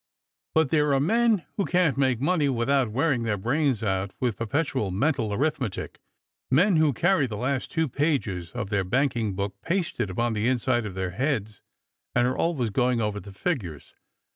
But there are men who can't make money without wearing their brains out with perpetual mental arith metic, men who carry the last two pages of their banking book pasted upon the inside of their heads, and are always going over the figures.